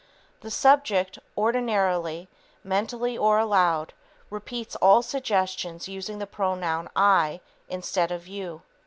The subject, ordinarily, mentally or aloud, repeats all suggestions using the pronoun "I" instead of "you".